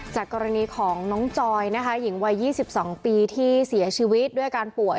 จากกรณีของน้องจอยนะคะหญิงวัย๒๒ปีที่เสียชีวิตด้วยอาการป่วย